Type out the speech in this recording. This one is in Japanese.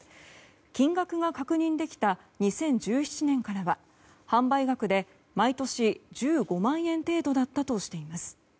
金額が確認できた２０１７年からは販売額で毎年１５万円程度だったとしています。